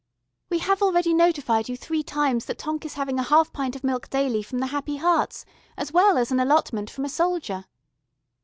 "We have already notified you three times that Tonk is having a half pint of milk daily from the Happy Hearts, as well as an allotment from a soldier."